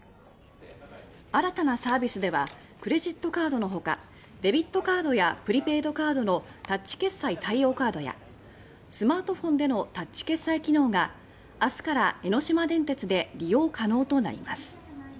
新たなサービスではクレジットカードのほかデビットカードやプリペイドカードのタッチ決済対応カードやスマートフォンでのタッチ決済機能が明日から江ノ島電鉄で利用可能となります。